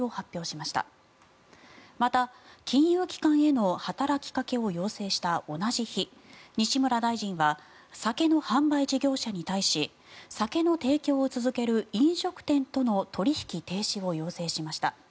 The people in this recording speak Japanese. また、金融機関への働きかけを要請した同じ日西村大臣は酒の販売事業者に対し酒の提供を続ける飲食店との取引停止を要請しました。